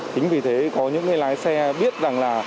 tính vì thế có những người lái xe biết rằng là